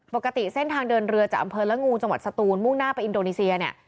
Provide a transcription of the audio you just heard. ปกติเส้นทางเดินเรือจากอำเภอละงูจังหวัดสตูนมุ่งหน้าไปอินโดนีเซียเนี่ย